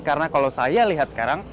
karena kalau saya lihat sekarang